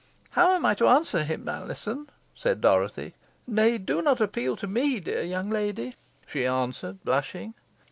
"How am I to answer him, Alizon?" said Dorothy. "Nay, do not appeal to me, dear young lady," she answered, blushing.